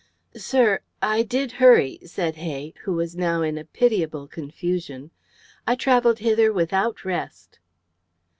"Sir, I did hurry," said Hay, who was now in a pitiable confusion. "I travelled hither without rest."